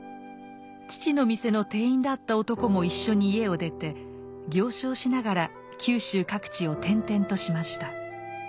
父の店の店員だった男も一緒に家を出て行商しながら九州各地を転々としました。